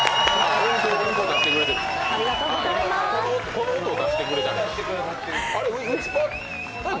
この音を出してくれた。